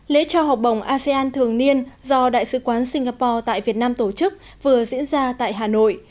lễ trao học bổng asean thường niên do đại sứ quán singapore tại việt nam tổ chức vừa diễn ra tại hà nội